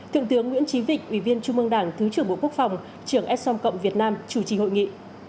thượng tướng nguyễn trí vịnh ủy viên trung mương đảng thứ trưởng bộ quốc phòng trưởng s som cộng việt nam chủ trì hội nghị